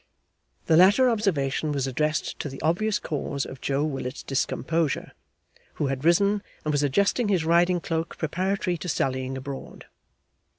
The latter observation was addressed to the obvious cause of Joe Willet's discomposure, who had risen and was adjusting his riding cloak preparatory to sallying abroad.